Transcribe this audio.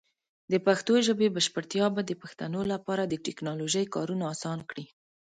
د پښتو ژبې بشپړتیا به د پښتنو لپاره د ټیکنالوجۍ کارونه اسان کړي.